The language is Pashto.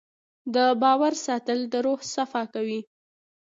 د باور ساتل د روح صفا کوي.